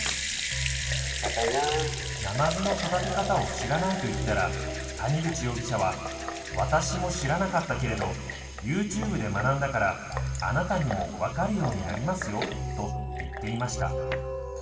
ナマズの育て方を知らないと言ったら、谷口容疑者は、私も知らなかったけれど、ユーチューブで学んだから、あなたにも分かるようになりますよと言っていました。